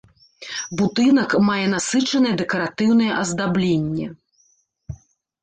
Будынак мае насычанае дэкаратыўнае аздабленне.